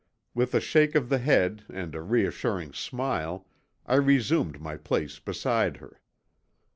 With a shake of the head and a reassuring smile, I resumed my place beside her.